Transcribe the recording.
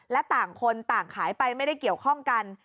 และต่างคนต่างขายไปไม่ได้เกี่ยวข้องกัน